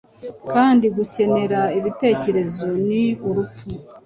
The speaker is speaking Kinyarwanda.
Kandi gukenera Ibitekerezo ni urupfu;